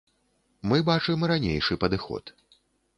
Мы бачым ранейшы падыход.